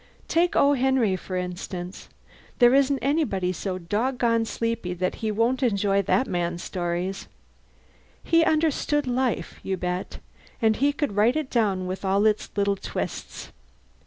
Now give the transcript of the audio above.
Take O. Henry, for instance there isn't anybody so dog gone sleepy that he won't enjoy that man's stories. He understood life, you bet, and he could write it down with all its little twists.